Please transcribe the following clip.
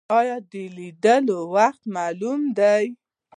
ایا د لیدلو وخت معلوم دی؟